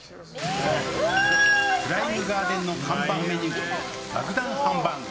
フライングガーデンの看板メニュー、爆弾ハンバーグ。